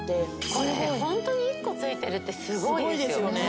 これホントに１個ついてるってすごいですよね。